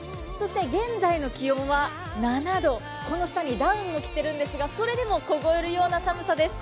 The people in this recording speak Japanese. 現在の気温は７度、この下にダウンを着ているんですが、それでも凍えるような寒さです。